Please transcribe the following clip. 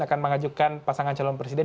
akan mengajukan pasangan calon presiden